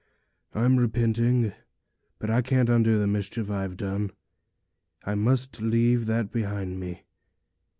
I'm repenting; but I can't undo the mischief I've done; I must leave that behind me.